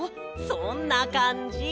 そんなかんじ！